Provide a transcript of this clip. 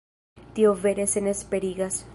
Tio vere senesperigas.